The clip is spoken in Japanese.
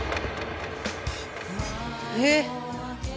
えっ！